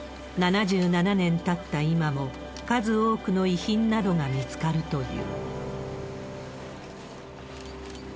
７７年たった今も、数多くの遺品などが見つかるという。